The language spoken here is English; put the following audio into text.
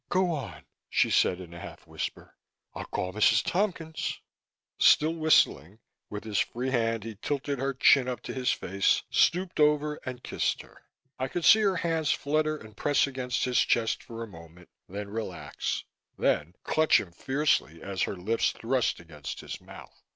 "Go on!" she said, in a half whisper. "I'll call Mrs. Tompkins." Still whistling, with his free hand he tilted her chin up to his face, stooped over and kissed her. I could see her hands flutter and press against his chest for a moment, then relax, then clutch him fiercely, as her lips thrust against his mouth.